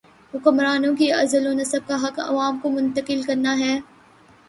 حکمرانوں کے عزل و نصب کا حق عوام کو منتقل کرنا ہے۔